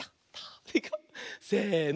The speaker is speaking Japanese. せの。